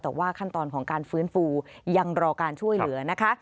แต่ว่าขั้นตอนของการฟื้นฟูยังรอการช่วยเหลือนะคะ